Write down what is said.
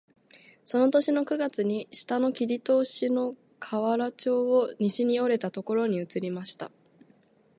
その年の九月に下の切り通しの河原町を西に折れたところに移りました